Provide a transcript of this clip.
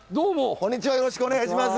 こんにちはよろしくお願いします。